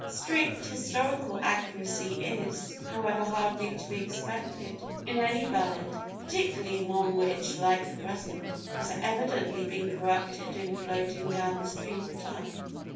Strict historical accuracy is, however, hardly to be expected in any ballad, particularly in one which, like the present, has evidently been corrupted in floating down the stream of time.